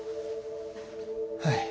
はい。